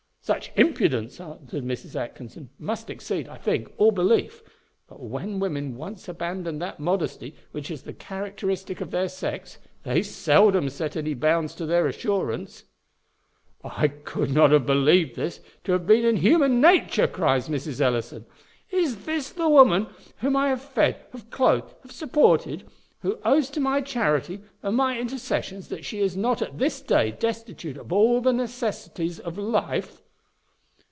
"Such impudence," answered Mrs. Atkinson, "must exceed, I think, all belief; but, when women once abandon that modesty which is the characteristic of their sex, they seldom set any bounds to their assurance." "I could not have believed this to have been in human nature," cries Mrs. Ellison. "Is this the woman whom I have fed, have cloathed, have supported; who owes to my charity and my intercessions that she is not at this day destitute of all the necessaries of life?"